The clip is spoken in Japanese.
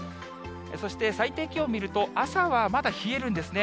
そして最低気温を見ると、朝はまだ冷えるんですね。